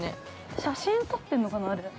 ◆写真撮ってるのかな、あれ。